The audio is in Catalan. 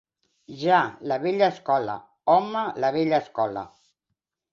Ja, la vella escola, home, la vella escola.